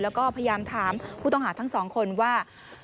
แล้วก็พยายามถามผู้ต้องหาทั้งสองคนว่า